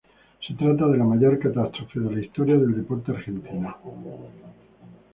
Se trata de la mayor catástrofe de la historia del deporte argentino.